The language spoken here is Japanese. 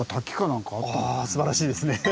すばらしいですね！